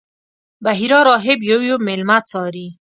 بحیرا راهب یو یو میلمه څاري.